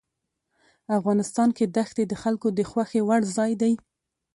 افغانستان کې دښتې د خلکو د خوښې وړ ځای دی.